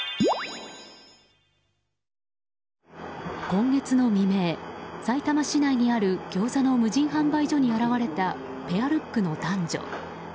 今月の未明さいたま市内にあるギョーザの無人販売所に現れたペアルックの男女。